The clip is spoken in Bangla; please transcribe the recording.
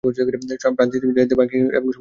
ফ্রান্সিস জাতিতে ভাইকিং এবং সমুদ্র অভিযাত্রী।